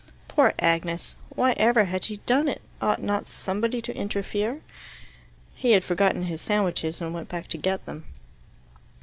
Poor Agnes; why ever had she done it? Ought not somebody to interfere? He had forgotten his sandwiches, and went back to get them.